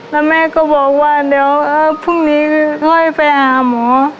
แล้วแม่ก็บอกว่าเดี๋ยวพรุ่งนี้ค่อยไปหาหมอ